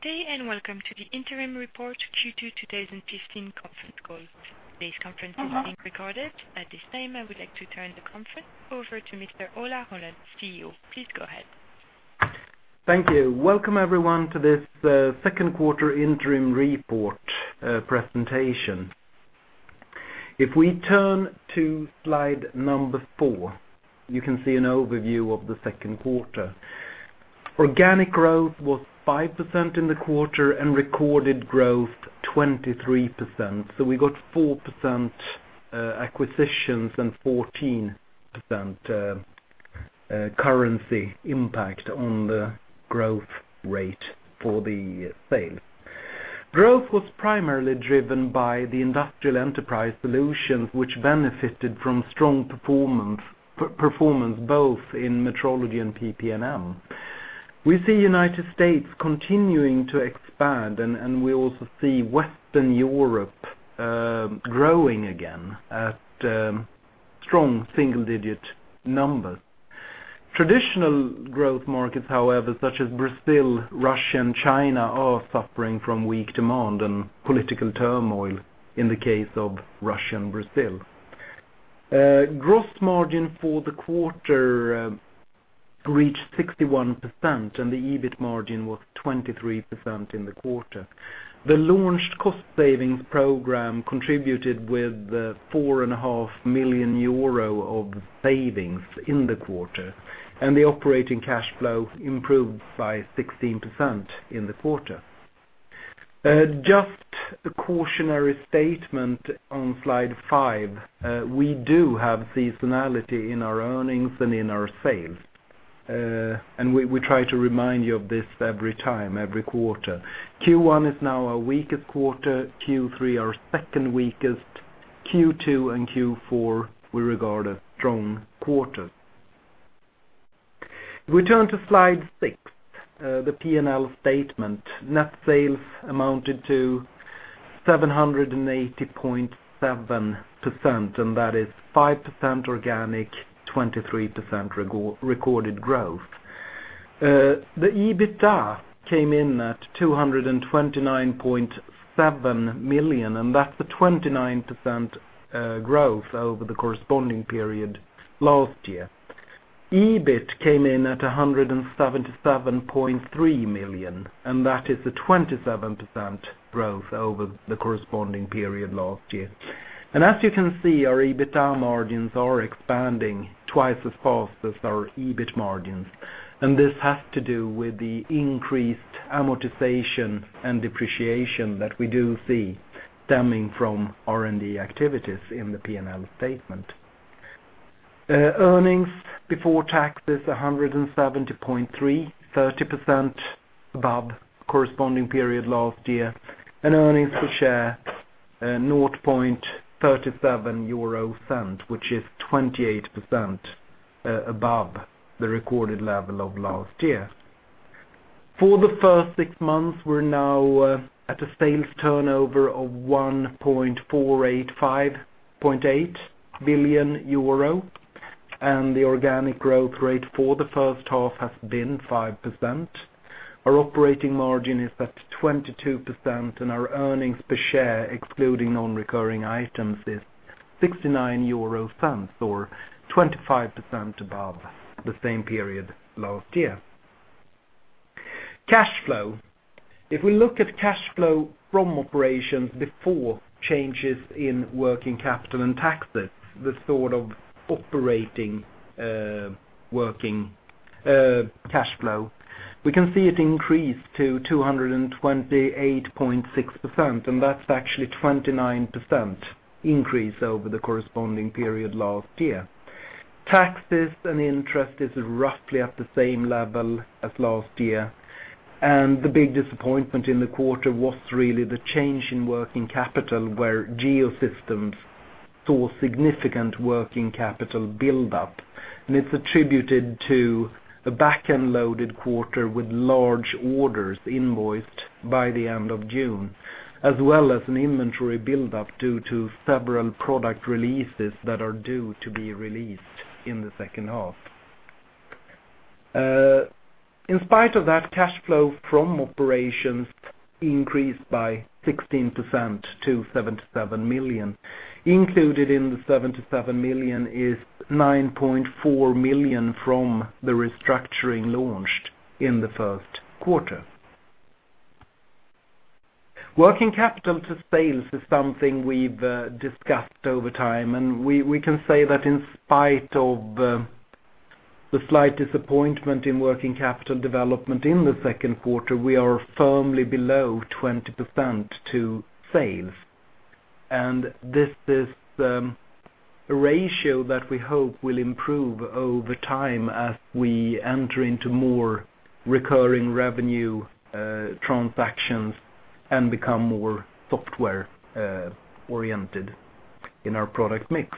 Good day, welcome to the interim report Q2 2015 conference call. Today's conference is being recorded. At this time, I would like to turn the conference over to Mr. Ola Rollén, CEO. Please go ahead. Thank you. Welcome everyone to this second quarter interim report presentation. If we turn to slide number four, you can see an overview of the second quarter. Organic growth was 5% in the quarter, and recorded growth 23%, so we got 4% acquisitions and 14% currency impact on the growth rate for the sales. Growth was primarily driven by the Industrial Enterprise Solutions, which benefited from strong performance both in metrology and PP&M. We see United States continuing to expand, and we also see Western Europe growing again at strong single-digit numbers. Traditional growth markets, however, such as Brazil, Russia, and China, are suffering from weak demand and political turmoil in the case of Russia and Brazil. Gross margin for the quarter reached 61%, and the EBIT margin was 23% in the quarter. The launched cost savings program contributed with 4.5 million euro of savings in the quarter, and the operating cash flow improved by 16% in the quarter. Just a cautionary statement on slide five. We do have seasonality in our earnings and in our sales, and we try to remind you of this every time, every quarter. Q1 is now our weakest quarter, Q3 our second weakest, Q2 and Q4 we regard as strong quarters. If we turn to slide six, the P&L statement. Net sales amounted to 780.7 million, and that is 5% organic, 23% recorded growth. The EBITDA came in at 229.7 million, and that's a 29% growth over the corresponding period last year. EBIT came in at 177.3 million, and that is a 27% growth over the corresponding period last year. As you can see, our EBITDA margins are expanding twice as fast as our EBIT margins. This has to do with the increased amortization and depreciation that we do see stemming from R&D activities in the P&L statement. Earnings before taxes, 170.3 million, 30% above corresponding period last year, and earnings per share, 0.37, which is 28% above the recorded level of last year. For the first six months, we're now at a sales turnover of 1,485.8 million euro, and the organic growth rate for the first half has been 5%. Our operating margin is at 22%, and our earnings per share, excluding non-recurring items, is 0.69 or 25% above the same period last year. Cash flow. If we look at cash flow from operations before changes in working capital and taxes, the sort of operating working cash flow, we can see it increased to 228.6 million, and that's actually 29% increase over the corresponding period last year. Taxes and interest is roughly at the same level as last year. The big disappointment in the quarter was really the change in working capital, where Geosystems saw significant working capital buildup. It's attributed to a backend-loaded quarter with large orders invoiced by the end of June, as well as an inventory buildup due to several product releases that are due to be released in the second half. In spite of that, cash flow from operations increased by 16% to 77 million. Included in the 77 million is 9.4 million from the restructuring launched in the first quarter. Working capital to sales is something we've discussed over time, we can say that in spite of the slight disappointment in working capital development in the second quarter, we are firmly below 20% to sales. This is a ratio that we hope will improve over time as we enter into more recurring revenue transactions and become more software-oriented in our product mix.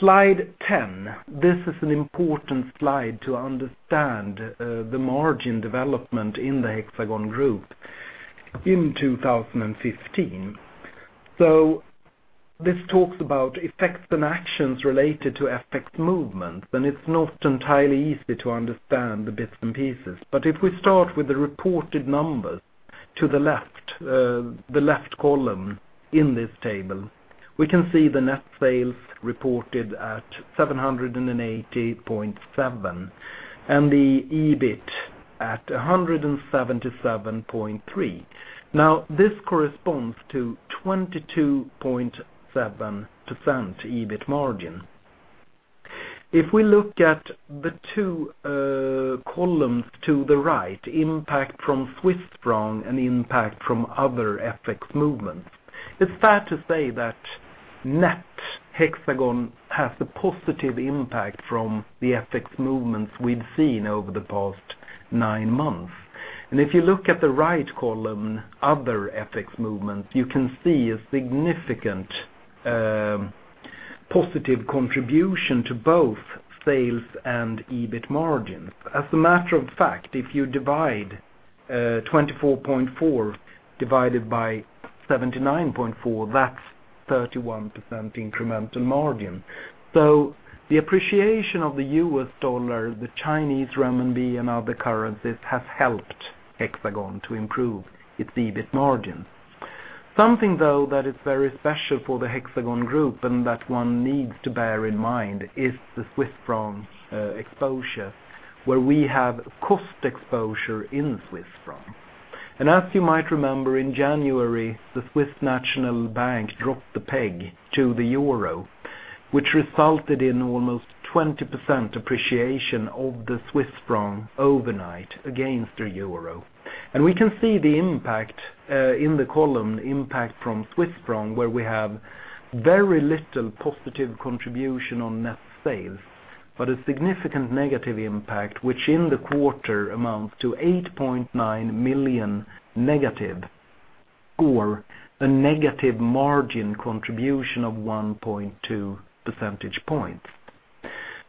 Slide 10. This is an important slide to understand the margin development in the Hexagon group in 2015. This talks about effects and actions related to FX movements, it's not entirely easy to understand the bits and pieces. If we start with the reported numbers to the left, the left column in this table, we can see the net sales reported at 780.7 and the EBIT at 177.3. Now, this corresponds to 22.7% EBIT margin. If we look at the two columns to the right, impact from Swiss franc and impact from other FX movements, it's fair to say that net Hexagon has a positive impact from the FX movements we've seen over the past nine months. If you look at the right column, other FX movements, you can see a significant positive contribution to both sales and EBIT margins. As a matter of fact, if you divide 24.4 divided by 79.4, that's 31% incremental margin. The appreciation of the US dollar, the Chinese renminbi, and other currencies has helped Hexagon to improve its EBIT margin. Something, though, that is very special for the Hexagon group and that one needs to bear in mind is the Swiss franc exposure, where we have cost exposure in Swiss franc. As you might remember, in January, the Swiss National Bank dropped the peg to the euro, which resulted in almost 20% appreciation of the Swiss franc overnight against the euro. We can see the impact in the column, impact from Swiss franc, where we have very little positive contribution on net sales, but a significant negative impact, which in the quarter amounts to 8.9 million negative, or a negative margin contribution of 1.2 percentage points.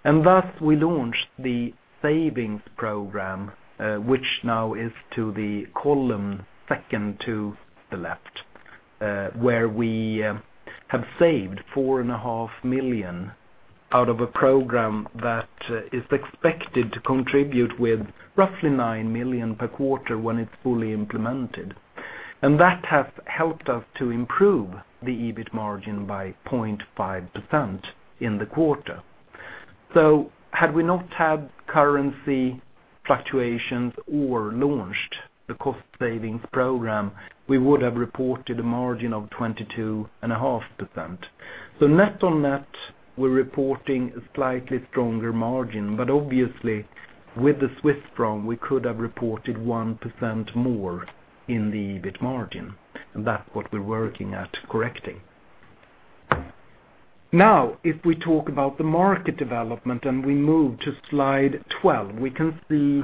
Thus, we launched the savings program, which now is to the column second to the left, where we have saved 4.5 million out of a program that is expected to contribute with roughly 9 million per quarter when it's fully implemented. That has helped us to improve the EBIT margin by 0.5% in the quarter. Had we not had currency fluctuations or launched the cost savings program, we would have reported a margin of 22.5%. Net on net, we're reporting a slightly stronger margin, but obviously, with the Swiss franc, we could have reported 1% more in the EBIT margin, and that's what we're working at correcting. If we talk about the market development and we move to slide 12, we can see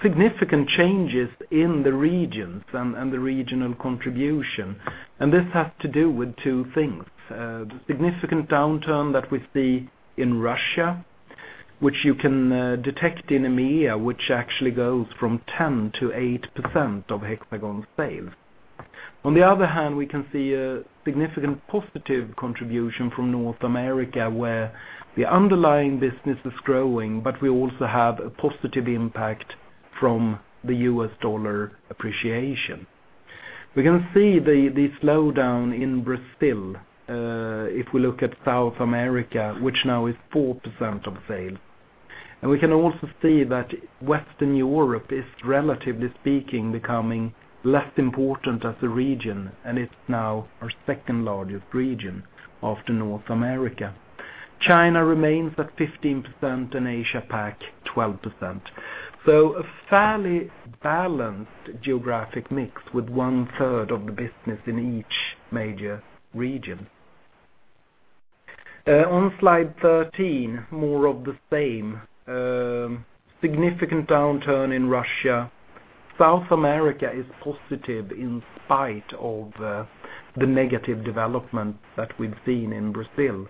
significant changes in the regions and the regional contribution. This has to do with two things. The significant downturn that we see in Russia, which you can detect in EMEA, which actually goes from 10% to 8% of Hexagon sales. On the other hand, we can see a significant positive contribution from North America, where the underlying business is growing, but we also have a positive impact from the US dollar appreciation. We can see the slowdown in Brazil, if we look at South America, which now is 4% of sales. We can also see that Western Europe is, relatively speaking, becoming less important as a region, and it's now our second-largest region after North America. China remains at 15%, and Asia Pac 12%. A fairly balanced geographic mix with one-third of the business in each major region. On slide 13, more of the same. Significant downturn in Russia. South America is positive in spite of the negative development that we've seen in Brazil.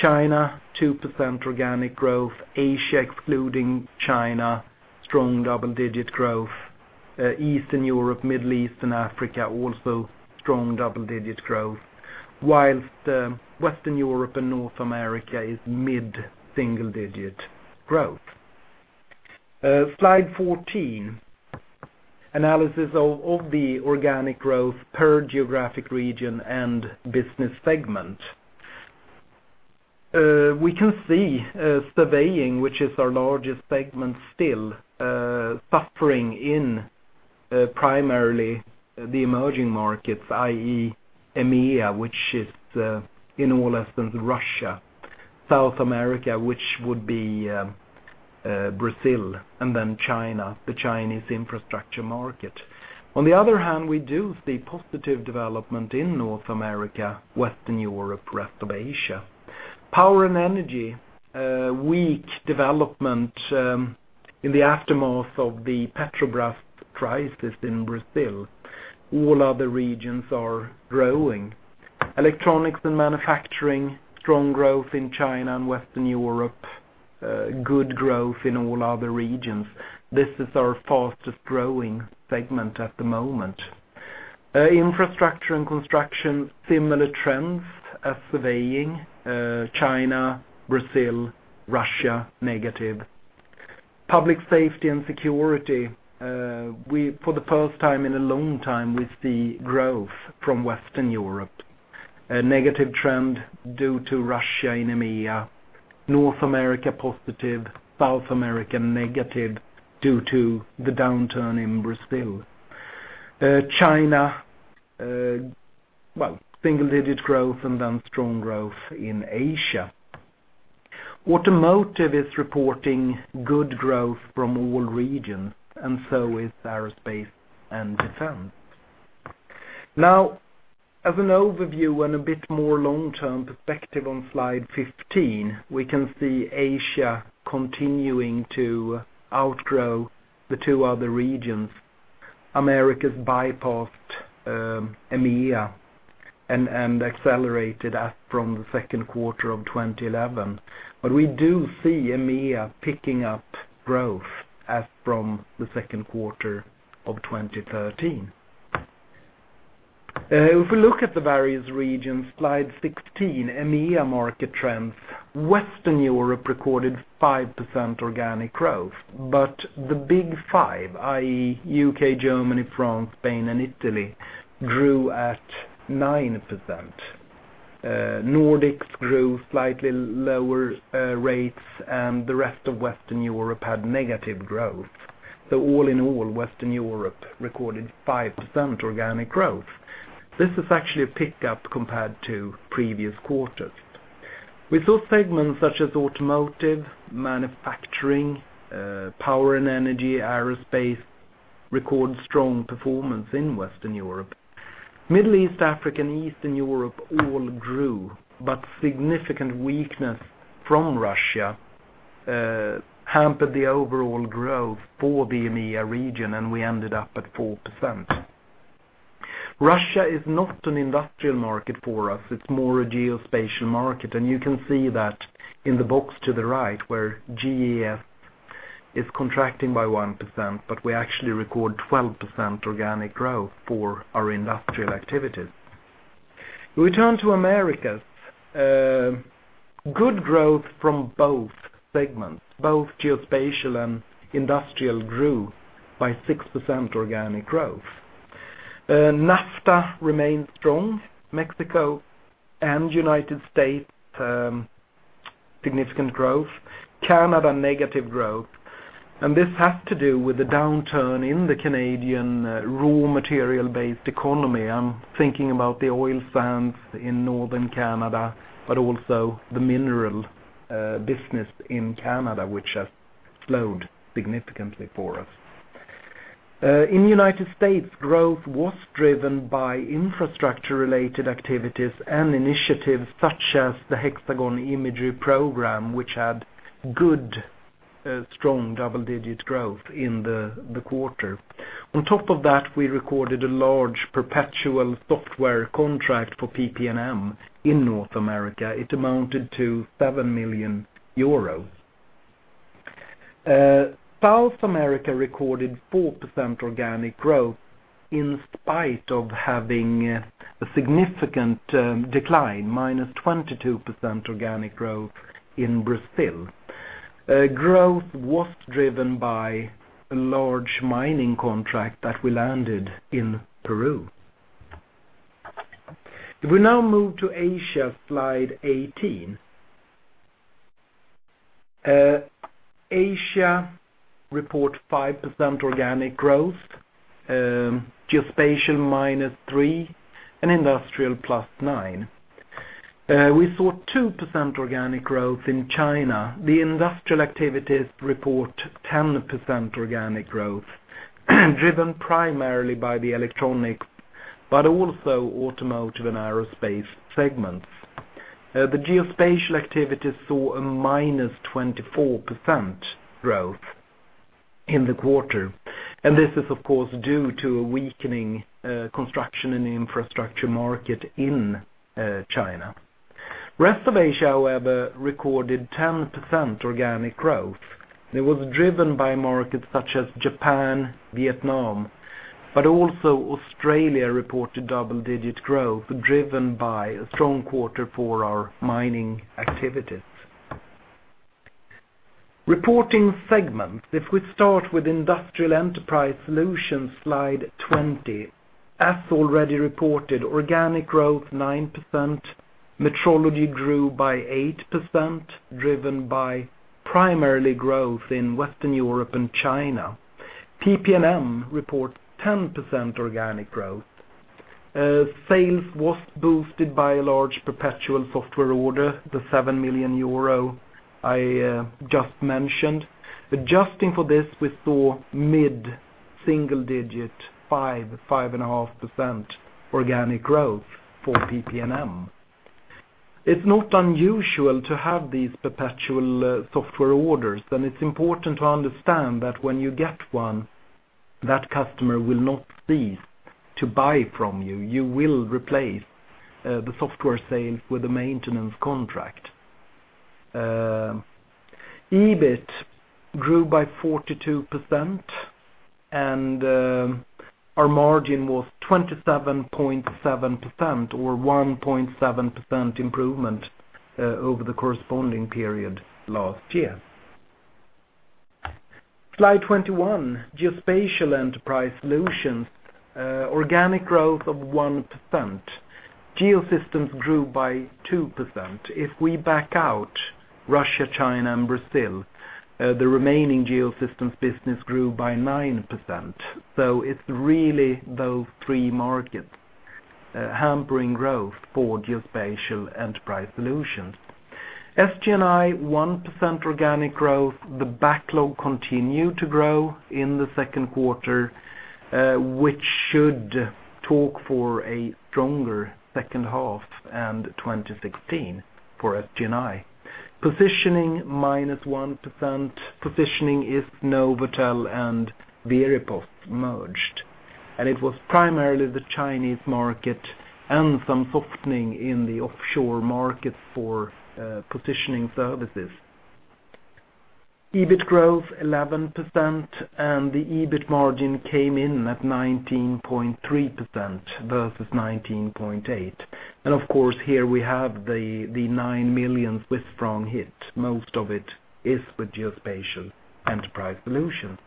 China, 2% organic growth. Asia, excluding China, strong double-digit growth. Eastern Europe, Middle East, and Africa, also strong double-digit growth, whilst Western Europe and North America is mid-single digit growth. Slide 14, analysis of the organic growth per geographic region and business segment. We can see surveying, which is our largest segment still, suffering in primarily the emerging markets, i.e. EMEA, which is in all essence Russia, South America, which would be Brazil, and China, the Chinese infrastructure market. On the other hand, we do see positive development in North America, Western Europe, rest of Asia. Power and energy, weak development in the aftermath of the Petrobras crisis in Brazil. All other regions are growing. Electronics and manufacturing, strong growth in China and Western Europe. Good growth in all other regions. This is our fastest-growing segment at the moment. Infrastructure and construction, similar trends as surveying. China, Brazil, Russia, negative. Public safety and security, for the first time in a long time, we see growth from Western Europe. A negative trend due to Russia in EMEA, North America positive, South America negative due to the downturn in Brazil. China, single-digit growth and strong growth in Asia. Automotive is reporting good growth from all regions, and so is aerospace and defense. As an overview and a bit more long-term perspective on slide 15, we can see Asia continuing to outgrow the two other regions. Americas bypassed EMEA and accelerated up from the second quarter of 2011. We do see EMEA picking up growth as from the second quarter of 2013. If we look at the various regions, slide 16, EMEA market trends, Western Europe recorded 5% organic growth, but the Big Five, i.e. U.K., Germany, France, Spain, and Italy, grew at 9%. Nordics grew slightly lower rates and the rest of Western Europe had negative growth. All in all, Western Europe recorded 5% organic growth. This is actually a pickup compared to previous quarters. We saw segments such as automotive, manufacturing, power and energy, aerospace, record strong performance in Western Europe. Middle East, Africa, and Eastern Europe all grew, but significant weakness from Russia hampered the overall growth for the EMEA region, and we ended up at 4%. Russia is not an industrial market for us. It's more a geospatial market, and you can see that in the box to the right, where GES is contracting by 1%, but we actually record 12% organic growth for our industrial activities. We turn to Americas. Good growth from both segments. Both geospatial and industrial grew by 6% organic growth. NAFTA remains strong. Mexico and U.S., significant growth. Canada, negative growth. This has to do with the downturn in the Canadian raw material-based economy. I'm thinking about the oil sands in Northern Canada, but also the mineral business in Canada, which has slowed significantly for us. In the U.S., growth was driven by infrastructure-related activities and initiatives such as the Hexagon Imagery Program, which had good, strong double-digit growth in the quarter. On top of that, we recorded a large perpetual software contract for PP&M in North America. It amounted to 7 million euros. South America recorded 4% organic growth in spite of having a significant decline, -22% organic growth in Brazil. Growth was driven by a large mining contract that we landed in Peru. If we now move to Asia, slide 18. Asia report 5% organic growth, geospatial -3%, and industrial +9%. We saw 2% organic growth in China. The industrial activities report 10% organic growth, driven primarily by the electronic, but also automotive and aerospace segments. This is, of course, due to a weakening construction in the infrastructure market in China. Rest of Asia, however, recorded 10% organic growth. It was driven by markets such as Japan, Vietnam, but also Australia reported double-digit growth, driven by a strong quarter for our mining activities. Reporting segments. If we start with Industrial Enterprise Solutions, slide 20. As already reported, organic growth 9%, metrology grew by 8%, driven by primarily growth in Western Europe and China. PP&M reports 10% organic growth. Sales was boosted by a large perpetual software order, the 7 million euro I just mentioned. Adjusting for this, we saw mid-single digit, 5%, 5.5% organic growth for PP&M. It's not unusual to have these perpetual software orders. It's important to understand that when you get one that customer will not cease to buy from you. You will replace the software sales with a maintenance contract. EBIT grew by 42% and our margin was 27.7% or 1.7% improvement over the corresponding period last year. Slide 21, Geospatial Enterprise Solutions. Organic growth of 1%. Geosystems grew by 2%. If we back out Russia, China, and Brazil, the remaining Geosystems business grew by 9%. It's really those three markets hampering growth for Geospatial Enterprise Solutions. SG&I, 1% organic growth. The backlog continued to grow in the second quarter, which should talk for a stronger second half and 2016 for SG&I. Positioning, -1%. Positioning is NovAtel and Veripos merged, and it was primarily the Chinese market and some softening in the offshore market for positioning services. EBIT growth 11%, and the EBIT margin came in at 19.3% versus 19.8%. Of course, here we have the 9 million hit. Most of it is with Geospatial Enterprise Solutions.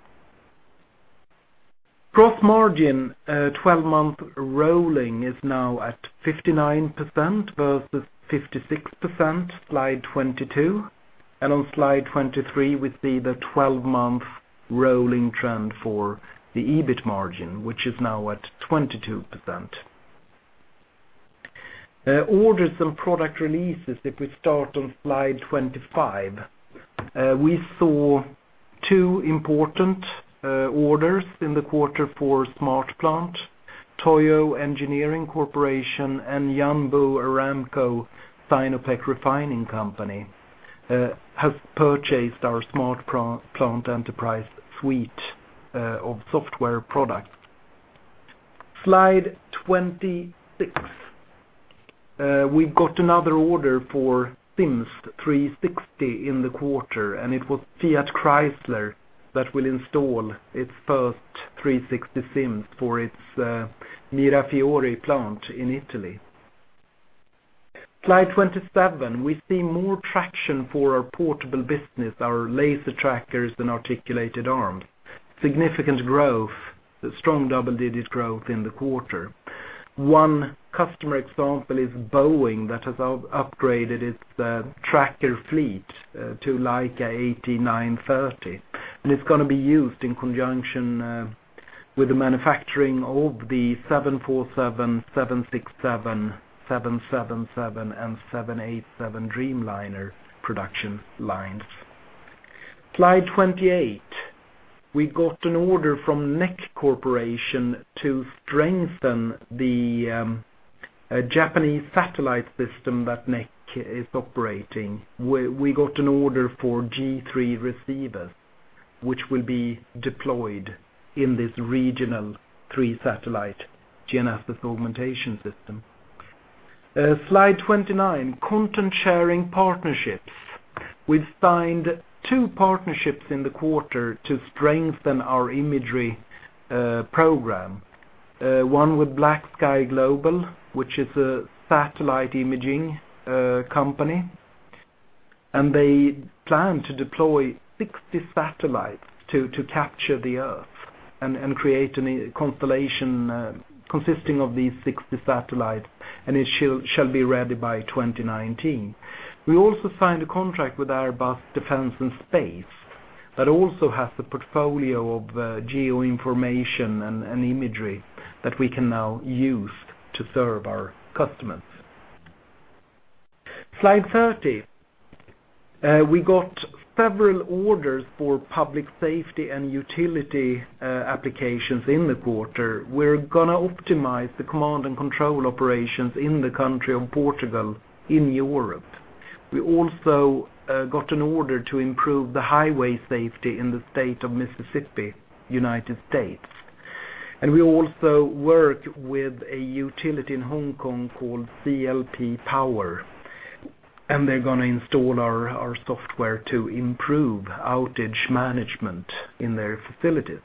Gross margin, 12-month rolling is now at 59% versus 56%, slide 22. On slide 23, we see the 12-month rolling trend for the EBIT margin, which is now at 22%. Orders and product releases, if we start on slide 25. We saw two important orders in the quarter for SmartPlant. Toho Engineering Corporation and Yanbu Aramco Sinopec Refining Company has purchased our SmartPlant Enterprise suite of software products. Slide 26. We got another order for SIMS 360 in the quarter, and it was Fiat Chrysler that will install its first 360 SIM for its Mirafiori plant in Italy. Slide 27. We see more traction for our portable business, our laser trackers and articulated arms. Significant growth, strong double-digit growth in the quarter. One customer example is Boeing, that has upgraded its tracker fleet to Leica 8930. It's going to be used in conjunction with the manufacturing of the 747, 767, 777, and 787 Dreamliner production lines. Slide 28. We got an order from NEC Corporation to strengthen the Japanese satellite system that NEC is operating. We got an order for G3 receivers, which will be deployed in this regional three satellite GNSS augmentation system. Slide 29, content sharing partnerships. We signed two partnerships in the quarter to strengthen our imagery program. One with BlackSky Global, which is a satellite imaging company. They plan to deploy 60 satellites to capture the Earth and create a constellation consisting of these 60 satellites, and it shall be ready by 2019. We also signed a contract with Airbus Defence and Space that also has a portfolio of geo information and imagery that we can now use to serve our customers. Slide 30. We got several orders for public safety and utility applications in the quarter. We're going to optimize the command and control operations in the country of Portugal in Europe. We also got an order to improve the highway safety in the state of Mississippi, U.S. We also work with a utility in Hong Kong called CLP Power. They're going to install our software to improve outage management in their facilities.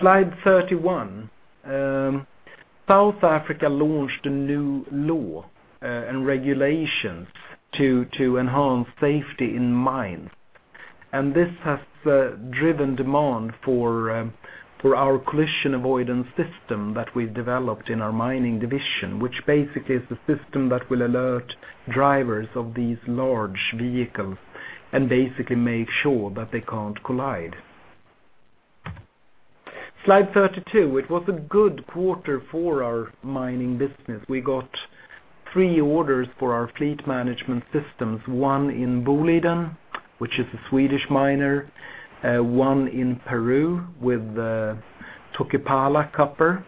Slide 31. South Africa launched a new law and regulations to enhance safety in mines. This has driven demand for our collision avoidance system that we've developed in our mining division, which basically is the system that will alert drivers of these large vehicles and basically make sure that they can't collide. Slide 32. We got three orders for our fleet management systems, one in Boliden, which is a Swedish miner, one in Peru with Toquepala Copper,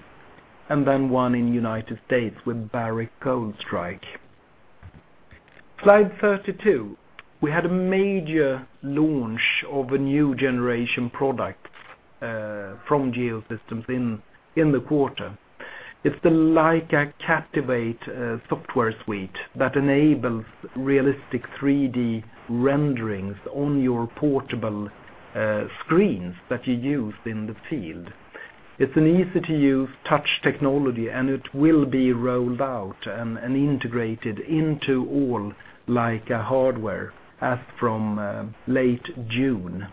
then one in U.S. with Barrick Goldstrike. Slide 32. We had a major launch of a new generation product from Geosystems in the quarter. It's the Leica Captivate software suite that enables realistic 3D renderings on your portable screens that you use in the field. It's an easy-to-use touch technology. It will be rolled out and integrated into all Leica hardware as from late June.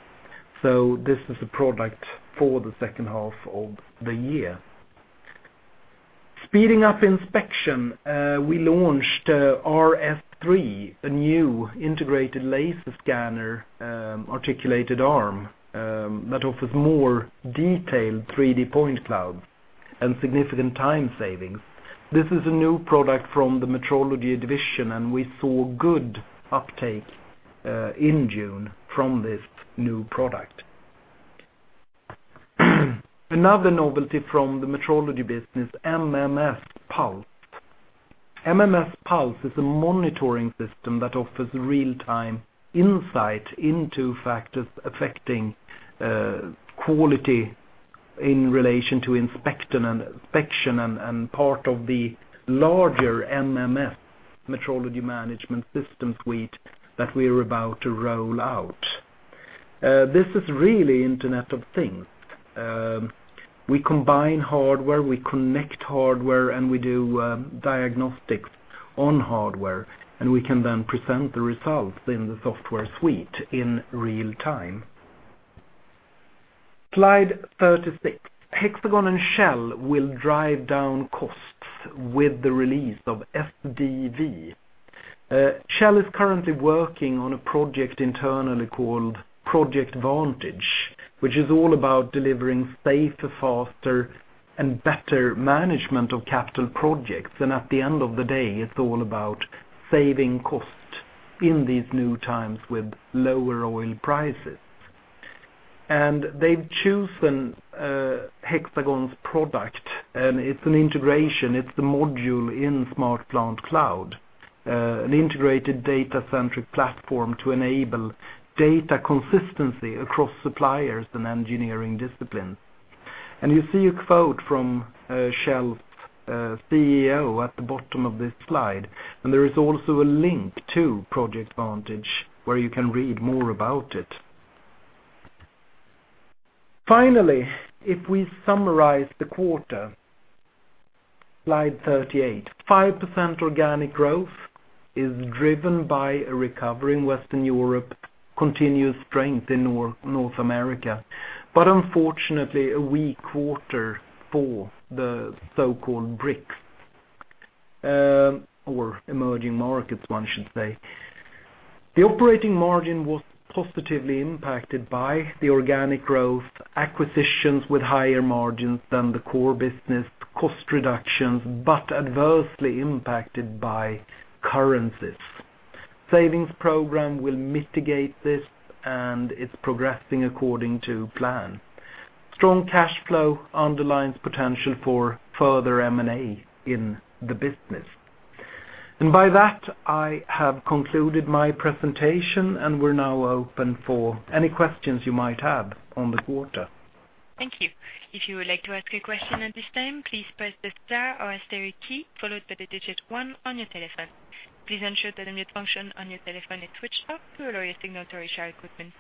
This is a product for the second half of the year. Speeding up inspection, we launched RS3, a new integrated laser scanner articulated arm that offers more detailed 3D point clouds and significant time savings. This is a new product from the metrology division. We saw good uptake in June from this new product. Another novelty from the metrology business, MMS Pulse. MMS Pulse is a monitoring system that offers real-time insight into factors affecting quality in relation to inspection and part of the larger MMS, Metrology Management System, suite that we're about to roll out. This is really Internet of Things. We combine hardware, we connect hardware, we do diagnostics on hardware, and we can then present the results in the software suite in real time. Slide 36. Hexagon and Shell will drive down costs with the release of SDV. Shell is currently working on a project internally called ProjectVantage, which is all about delivering safer, faster, and better management of capital projects. At the end of the day, it's all about saving cost in these new times with lower oil prices. They've chosen Hexagon's product, and it's an integration. It's the module in SmartPlant Cloud, an integrated data-centric platform to enable data consistency across suppliers and engineering disciplines. You see a quote from Shell's CEO at the bottom of this slide, and there is also a link to ProjectVantage where you can read more about it. Finally, if we summarize the quarter, slide 38, 5% organic growth is driven by a recovery in Western Europe, continuous strength in North America, but unfortunately a weak quarter for the so-called BRICS or emerging markets, one should say. The operating margin was positively impacted by the organic growth, acquisitions with higher margins than the core business, cost reductions, but adversely impacted by currencies. Savings program will mitigate this, and it's progressing according to plan. Strong cash flow underlines potential for further M&A in the business. By that, I have concluded my presentation, we're now open for any questions you might have on the quarter. Thank you. If you would like to ask a question at this time, please press the star or asterisk key followed by the digit one on your telephone. Please ensure that the mute function on your telephone is switched off to allow your signal to reach our equipment.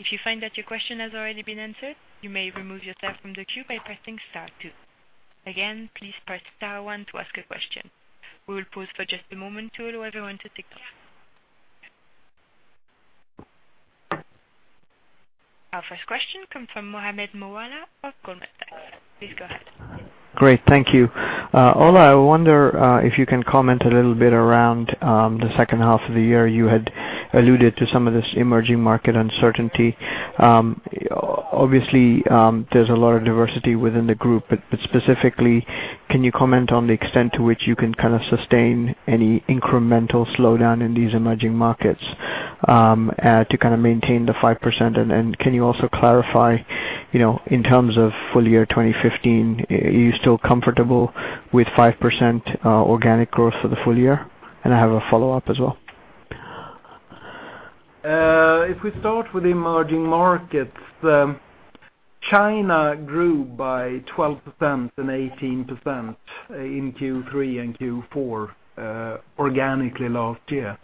If you find that your question has already been answered, you may remove yourself from the queue by pressing star two. Again, please press star one to ask a question. We will pause for just a moment to allow everyone to take that. Our first question comes from Mohammed Moawalla of Goldman Sachs. Please go ahead. Great. Thank you. Ola, I wonder if you can comment a little bit around the second half of the year. You had alluded to some of this emerging market uncertainty. Obviously, there's a lot of diversity within the group. Specifically, can you comment on the extent to which you can sustain any incremental slowdown in these emerging markets to maintain the 5%? Can you also clarify, in terms of full year 2015, are you still comfortable with 5% organic growth for the full year? I have a follow-up as well. If we start with emerging markets, China grew by 12% and 18% in Q3 and Q4 organically last year.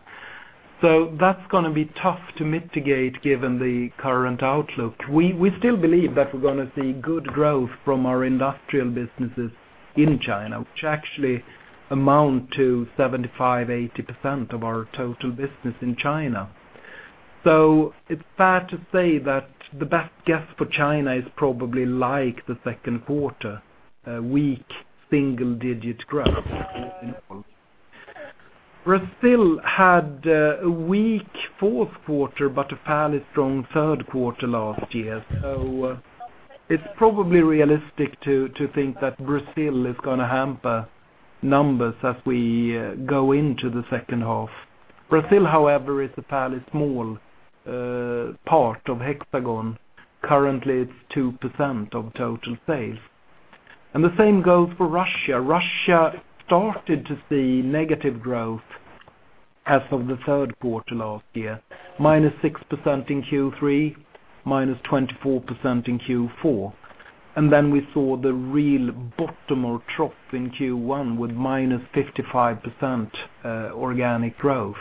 That's going to be tough to mitigate given the current outlook. We still believe that we're going to see good growth from our industrial businesses in China, which actually amount to 75%, 80% of our total business in China. It's fair to say that the best guess for China is probably like the second quarter, a weak single-digit growth year-on-year. Brazil had a weak fourth quarter, but a fairly strong third quarter last year. It's probably realistic to think that Brazil is going to hamper numbers as we go into the second half. Brazil, however, is a fairly small part of Hexagon. Currently, it's 2% of total sales. The same goes for Russia. Russia started to see negative growth as of the third quarter last year, minus 6% in Q3, minus 24% in Q4. Then we saw the real bottom or trough in Q1 with minus 55% organic growth,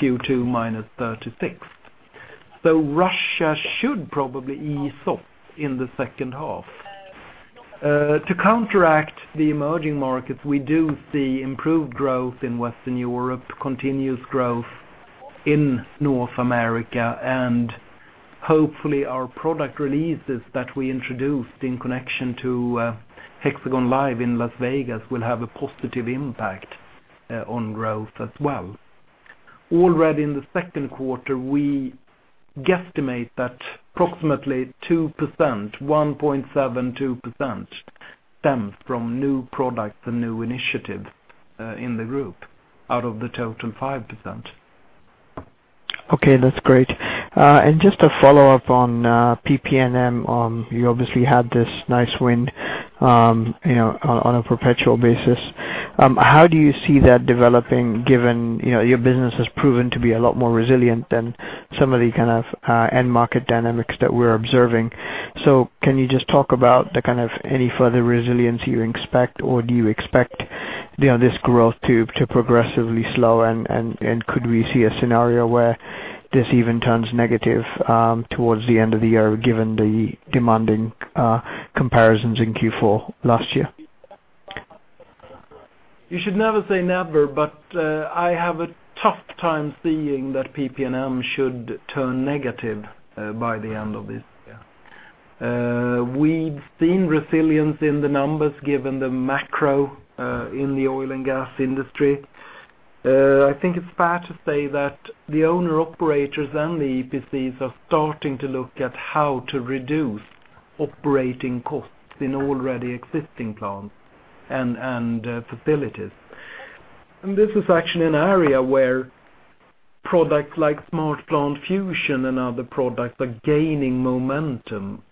Q2 minus 36%. Russia should probably ease up in the second half. To counteract the emerging markets, we do see improved growth in Western Europe, continuous growth in North America, and hopefully our product releases that we introduced in connection to Hexagon LIVE in Las Vegas will have a positive impact on growth as well. Already in the second quarter, we guesstimate that approximately 2%, 1.72% stems from new products and new initiatives in the group out of the total 5%. Okay, that's great. Just a follow-up on PP&M, you obviously had this nice wind on a perpetual basis. How do you see that developing given your business has proven to be a lot more resilient than some of the end market dynamics that we're observing? Can you just talk about any further resilience you expect, or do you expect this growth to progressively slow and could we see a scenario where this even turns negative towards the end of the year given the demanding comparisons in Q4 last year? You should never say never, but I have a tough time seeing that PP&M should turn negative by the end of this year. We've seen resilience in the numbers given the macro in the oil and gas industry. I think it's fair to say that the owner operators and the EPCs are starting to look at how to reduce operating costs in already existing plants and facilities. This is actually an area where products like SmartPlant Fusion and other products are gaining momentum.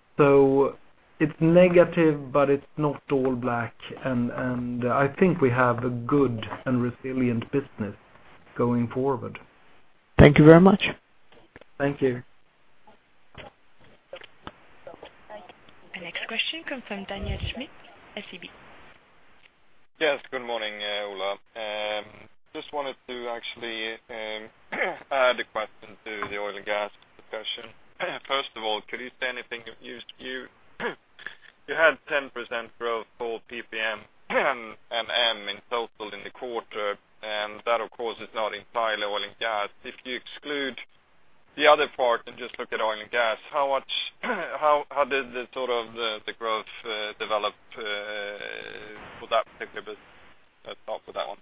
It's negative, but it's not all black, and I think we have a good and resilient business going forward. Thank you very much. Thank you. Our next question comes from Daniel Djurberg, SEB. Yes, good morning, Ola. Just wanted to actually add a question to the oil and gas discussion. First of all, could you say anything, you had 10% growth for PPM &M in total in the quarter, and that of course is not entirely oil and gas. If you exclude the other part and just look at oil and gas, how did the growth develop for that particular business? Let's start with that one.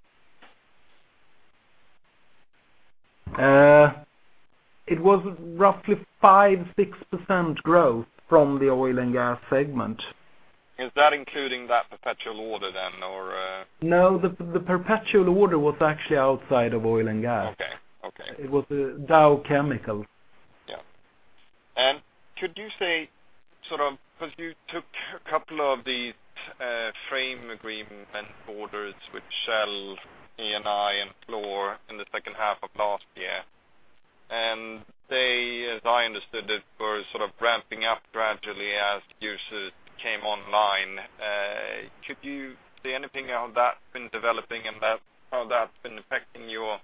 It was roughly 5%, 6% growth from the oil and gas segment. Is that including that perpetual order then or No, the perpetual order was actually outside of oil and gas. Okay. It was Dow Chemical. Yeah. Could you say, because you took a couple of these frame agreement orders with Shell, Eni and Fluor in the second half of last year, and they, as I understood it, were ramping up gradually as users came online. Could you say anything how that's been developing and how that's been affecting your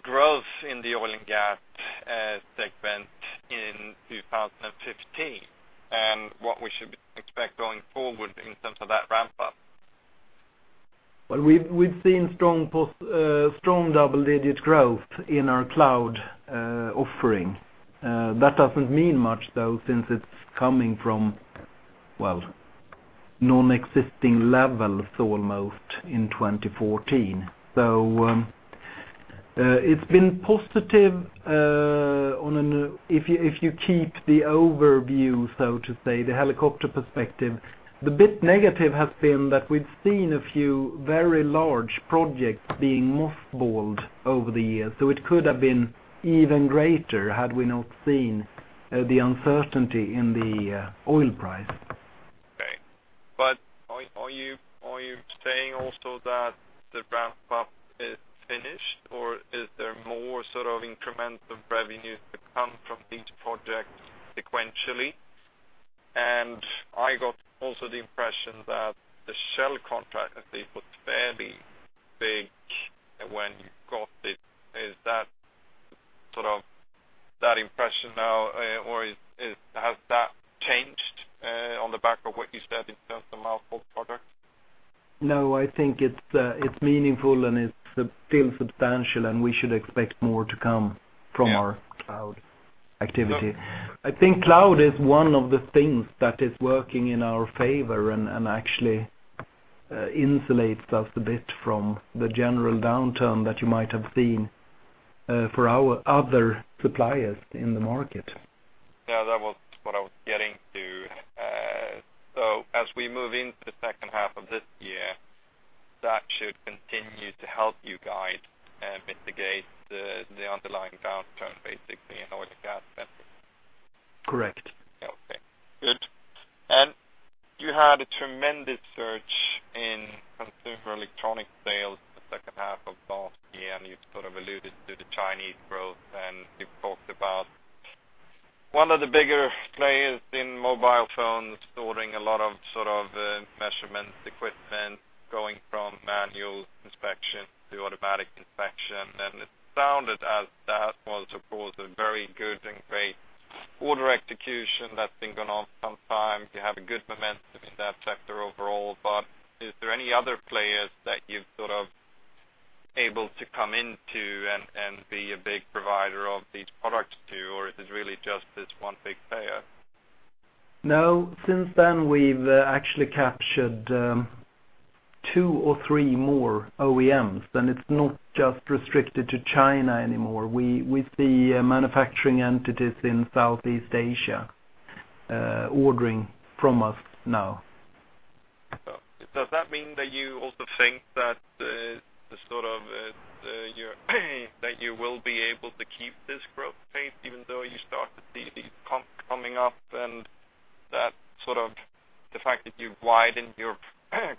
growth in the oil and gas segment in 2015? What we should expect going forward in terms of that ramp-up? Well, we've seen strong double-digit growth in our cloud offering. That doesn't mean much though, since it's coming from non-existing levels almost in 2014. It's been positive if you keep the overview, so to say, the helicopter perspective. The bit negative has been that we've seen a few very large projects being mothballed over the years. It could have been even greater had we not seen the uncertainty in the oil price. Okay. Are you saying also that the ramp-up is finished or is there more incremental revenue to come from these projects sequentially? I got also the impression that the Shell contract, I think, was fairly big when you got it. Is that impression now or has that changed on the back of what you said in terms of mothballed products? No, I think it's meaningful and it feels substantial. We should expect more to come from our cloud activity. I think cloud is one of the things that is working in our favor and actually insulates us a bit from the general downturn that you might have seen for our other suppliers in the market. Yeah, that was what I was getting to. As we move into the second half of this year, that should continue to help you guide and mitigate the underlying downturn, basically, in oil and gas then? Correct. Okay, good. You had a tremendous surge in consumer electronic sales the second half of last year. You sort of alluded to the Chinese growth. You talked about one of the bigger players in mobile phones ordering a lot of measurement equipment, going from manual inspection to automatic inspection. It sounded as that was, of course, a very good and great order execution that's been going on sometime. You have a good momentum in that sector overall, but is there any other players that you've sort of able to come into and be a big provider of these products to, or is it really just this one big player? No. Since then, we've actually captured two or three more OEMs. It's not just restricted to China anymore. We see manufacturing entities in Southeast Asia ordering from us now. Oh. Does that mean that you also think that you will be able to keep this growth pace even though you start to see these comps coming up, and the fact that you've widened your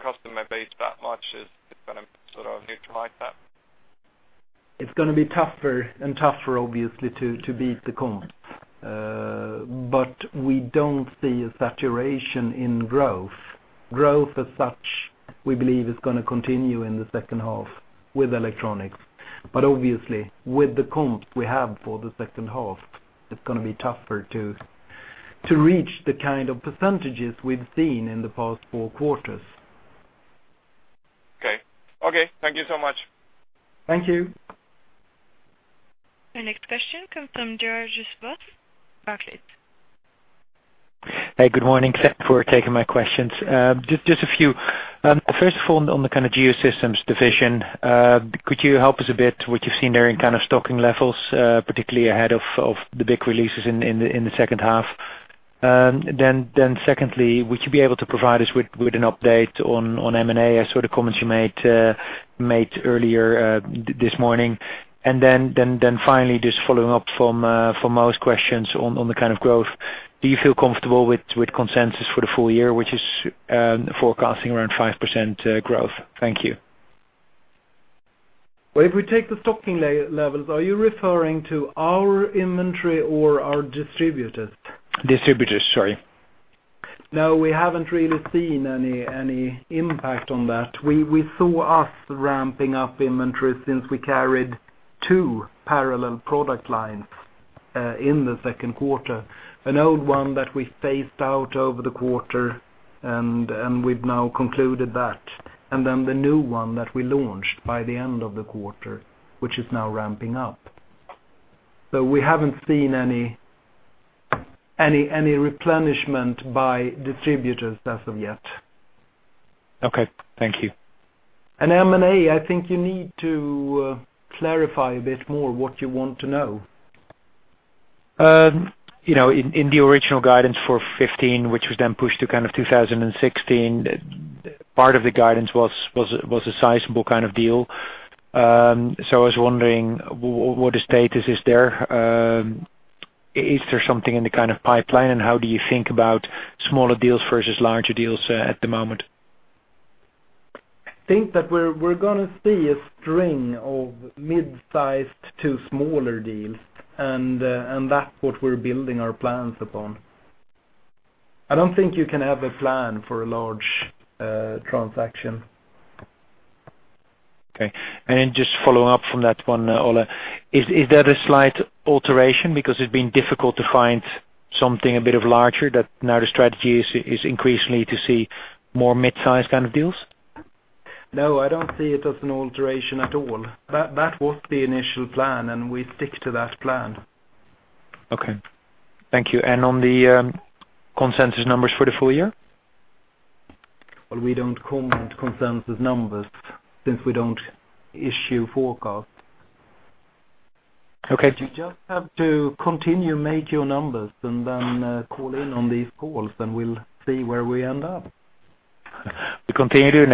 customer base that much, is it going to sort of neutralize that? It's going to be tougher and tougher obviously to beat the comps. We don't see a saturation in growth. Growth as such, we believe, is going to continue in the second half with electronics. Obviously, with the comps we have for the second half, it's going to be tougher to reach the kind of percentages we've seen in the past four quarters. Okay. Thank you so much. Thank you. Our next question comes from George O'Connor. Hey, good morning. Thank you for taking my questions. Just a few. First of all, on the Geosystems division, could you help us a bit what you've seen there in stocking levels, particularly ahead of the big releases in the second half? Secondly, would you be able to provide us with an update on M&A? I saw the comments you made earlier this morning. Finally, just following up from Mo's questions on the kind of growth, do you feel comfortable with consensus for the full year, which is forecasting around 5% growth? Thank you. Well, if we take the stocking levels, are you referring to our inventory or our distributors? Distributors, sorry. No, we haven't really seen any impact on that. We saw us ramping up inventory since we carried two parallel product lines, in the second quarter. An old one that we phased out over the quarter, and we've now concluded that. The new one that we launched by the end of the quarter, which is now ramping up. We haven't seen any replenishment by distributors as of yet. Okay. Thank you. M&A, I think you need to clarify a bit more what you want to know. In the original guidance for 2015, which was then pushed to kind of 2016, part of the guidance was a sizable kind of deal. I was wondering what the status is there. Is there something in the kind of pipeline, and how do you think about smaller deals versus larger deals at the moment? I think that we're going to see a string of mid-sized to smaller deals, and that's what we're building our plans upon. I don't think you can have a plan for a large transaction. Okay. Just following up from that one, Ola. Is that a slight alteration because it's been difficult to find something a bit of larger, that now the strategy is increasingly to see more mid-size kind of deals? No, I don't see it as an alteration at all. That was the initial plan, and we stick to that plan. Okay. Thank you. On the consensus numbers for the full year? Well, we don't comment consensus numbers since we don't issue forecasts. Okay. You just have to continue make your numbers and then call in on these calls, and we'll see where we end up. We continue doing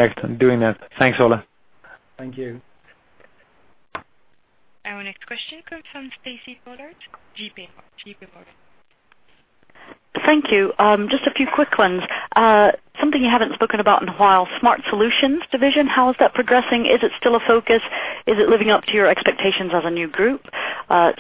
that. Thanks, Ola. Thank you. Our next question comes from Stacy Pollard, J.P. Morgan. Thank you. Just a few quick ones. Something you haven't spoken about in a while, Smart Solutions division, how is that progressing? Is it still a focus? Is it living up to your expectations as a new group?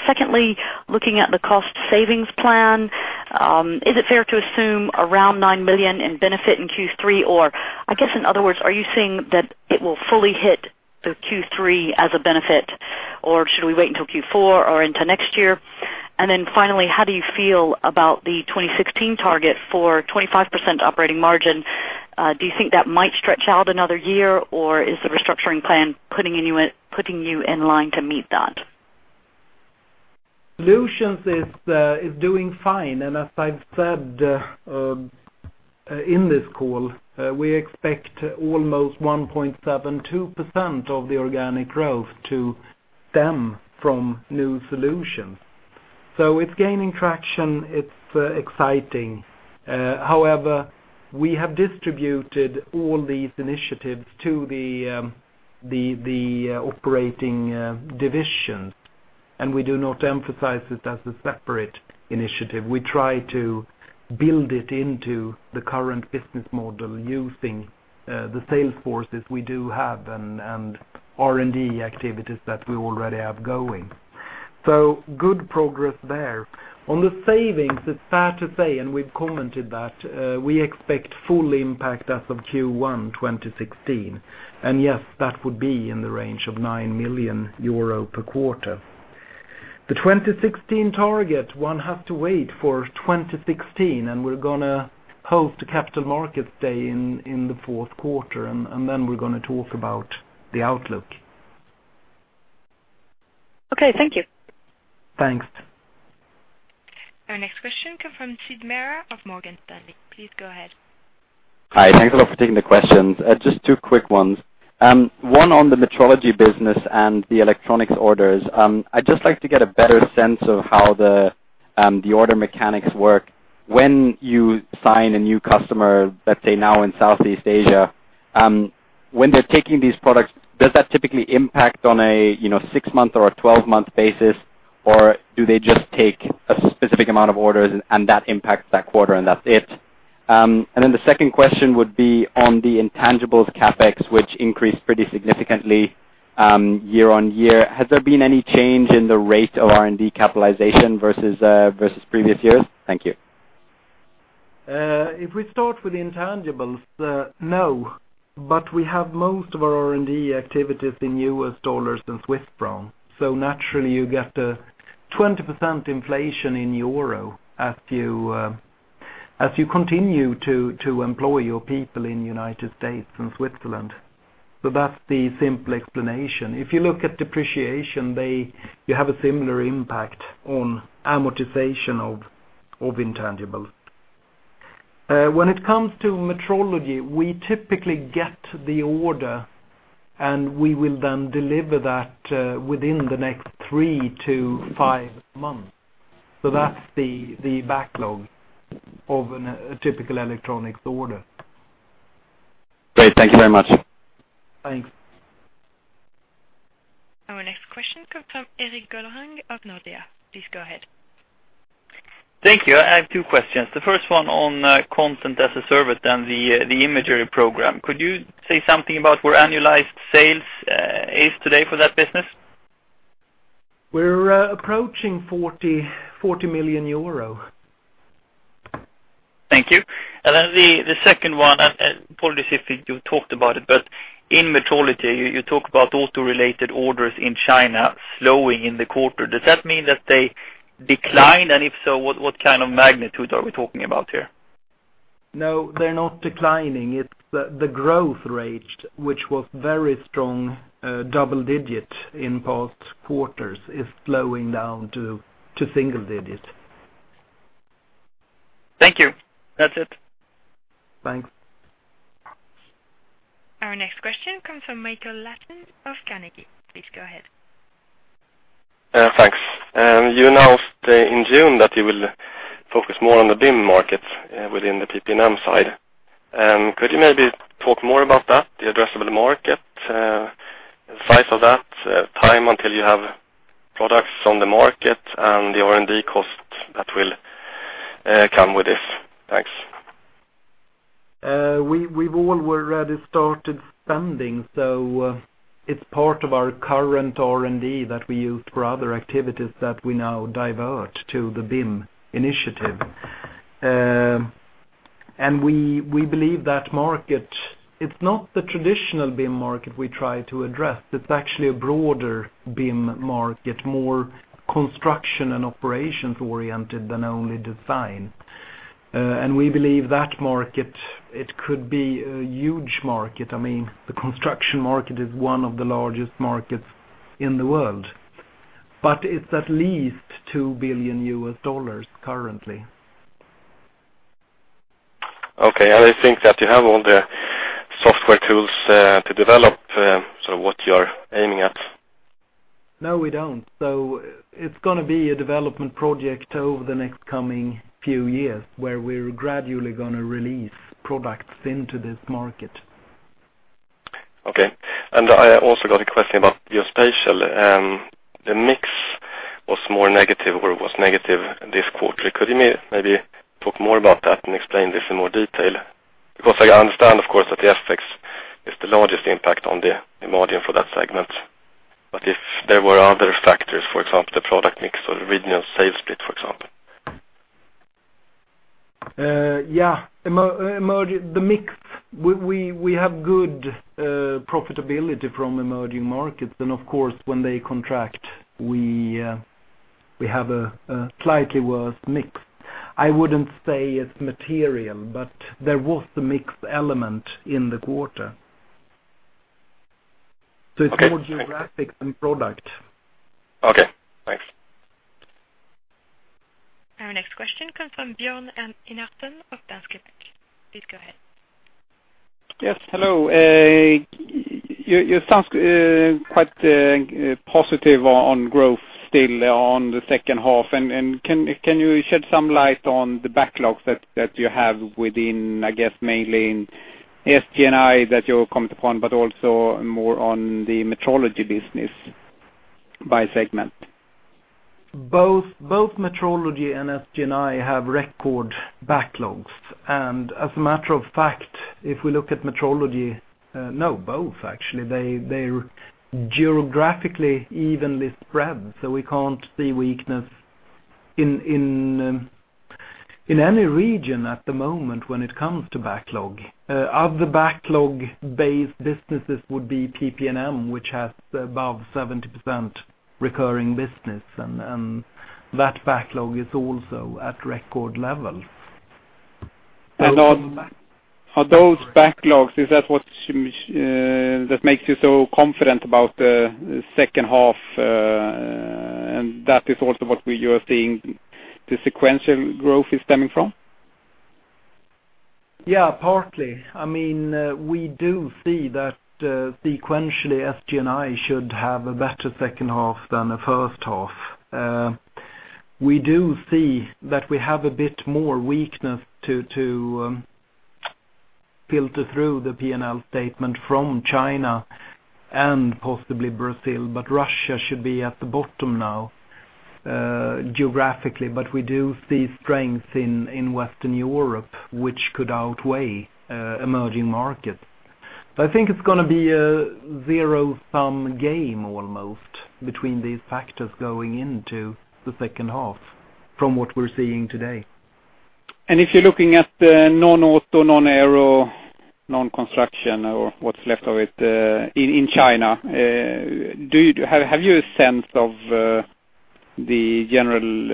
Secondly, looking at the cost savings plan, is it fair to assume around 9 million in benefit in Q3? I guess, in other words, are you seeing that it will fully hit the Q3 as a benefit, or should we wait until Q4 or into next year? Finally, how do you feel about the 2016 target for 25% operating margin? Do you think that might stretch out another year, or is the restructuring plan putting you in line to meet that? Solutions is doing fine, and as I've said in this call, we expect almost 1.72% of the organic growth to stem from new solutions. It's gaining traction. It's exciting. However, we have distributed all these initiatives to the operating divisions, and we do not emphasize it as a separate initiative. We try to build it into the current business model using the sales forces we do have and R&D activities that we already have going. Good progress there. On the savings, it's fair to say, and we've commented that, we expect full impact as of Q1 2016. Yes, that would be in the range of 9 million euro per quarter. The 2016 target, one has to wait for 2016, and we're going to host a capital markets day in the fourth quarter, and then we're going to talk about the outlook. Okay, thank you. Thanks. Our next question come from Siddharth Mehta of Morgan Stanley. Please go ahead. Hi. Thanks a lot for taking the questions. Just two quick ones. One on the metrology business and the electronics orders. I'd just like to get a better sense of how the order mechanics work. When you sign a new customer, let's say now in Southeast Asia, when they're taking these products, does that typically impact on a six-month or a 12-month basis, or do they just take a specific amount of orders and that impacts that quarter and that's it? The second question would be on the intangibles CapEx, which increased pretty significantly year-on-year. Has there been any change in the rate of R&D capitalization versus previous years? Thank you. If we start with intangibles, no, but we have most of our R&D activities in US dollars and Swiss franc. Naturally you get a 20% inflation in euro as you continue to employ your people in the United States and Switzerland. That's the simple explanation. If you look at depreciation, you have a similar impact on amortization of intangibles. When it comes to metrology, we typically get the order and we will then deliver that within the next three to five months. That's the backlog of a typical electronics order. Great. Thank you very much. Thanks. Our next question comes from Erik Golrang of Nordea. Please go ahead. Thank you. I have two questions. The first one on content as a service and the imagery program. Could you say something about where annualized sales is today for that business? We're approaching 40 million euro. Thank you. Then the second one, and apologies if you talked about it, but in metrology, you talk about auto-related orders in China slowing in the quarter. Does that mean that they decline, and if so, what kind of magnitude are we talking about here? No, they're not declining. It's the growth rate, which was very strong, double-digit in past quarters, is slowing down to single-digits. Thank you. That's it. Thanks. Our next question comes from Mikael Laséen of Carnegie. Please go ahead. Thanks. You announced in June that you will focus more on the BIM markets within the PP&M side. Could you maybe talk more about that, the addressable market, the size of that, time until you have products on the market, and the R&D cost that will come with this? Thanks. We've already started spending, it's part of our current R&D that we used for other activities that we now divert to the BIM initiative. We believe that market, it's not the traditional BIM market we try to address. It's actually a broader BIM market, more construction and operations-oriented than only design. We believe that market, it could be a huge market. The construction market is one of the largest markets in the world, but it's at least EUR 2 billion currently. Okay, I think that you have all the software tools to develop what you're aiming at. No, we don't. It's going to be a development project over the next coming few years, where we're gradually going to release products into this market. Okay. I also got a question about Geospatial. The mix was more negative, or it was negative this quarter. Could you maybe talk more about that and explain this in more detail? Because I understand, of course, that the FX is the largest impact on the margin for that segment. If there were other factors, for example, the product mix or the regional sales split, for example. Yeah. The mix, we have good profitability from emerging markets, and of course, when they contract, we have a slightly worse mix. I wouldn't say it's material, but there was the mix element in the quarter. Okay. It's more geographic than product. Okay, thanks. Our next question comes from Björn Enarson of Danske Bank. Please go ahead. Yes. Hello. You sound quite positive on growth still on the second half. Can you shed some light on the backlogs that you have within, I guess, mainly in SG&I that you commented upon, but also more on the metrology business by segment? Both metrology and SG&I have record backlogs. As a matter of fact, if we look at metrology, no, both actually, they're geographically evenly spread, so we can't see weakness in any region at the moment when it comes to backlog. Of the backlog-based businesses would be PP&M, which has above 70% recurring business, and that backlog is also at record levels. Are those backlogs, is that what makes you so confident about the second half? That is also what you are seeing the sequential growth is stemming from? Yeah, partly. We do see that sequentially, SG&I should have a better second half than the first half. We do see that we have a bit more weakness to filter through the P&L statement from China and possibly Brazil, Russia should be at the bottom now geographically. We do see strength in Western Europe, which could outweigh emerging markets. I think it's going to be a zero-sum game almost between these factors going into the second half from what we're seeing today. If you're looking at the non-auto, non-aero, non-construction or what's left of it in China, have you a sense of the general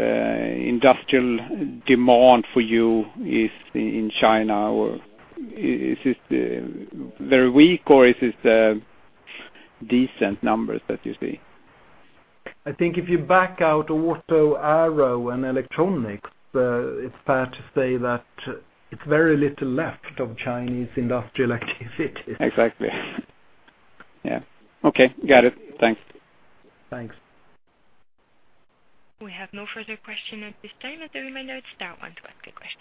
industrial demand for you in China, or is this very weak, or is this decent numbers that you see? I think if you back out auto, aero, and electronics, it's fair to say that it's very little left of Chinese industrial activity. Exactly. Yeah. Okay, got it. Thanks. Thanks. We have no further question at this time. As a reminder, to ask a question